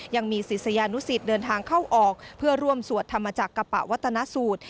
ยังมีศิษยานุสิตเดินทางเข้าออกเพื่อร่วมสวดธรรมจักรปะวัตนสูตร